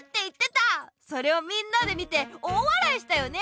それをみんなで見て大わらいしたよね！